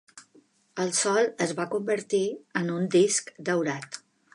El sol es va convertir en un disc daurat.